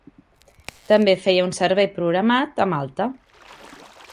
També feia un servei programat a Malta.